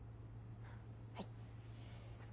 はい。